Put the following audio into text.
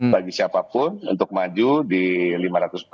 bagi siapapun untuk maju di lima ratus empat puluh lima pilkada seluruh indonesia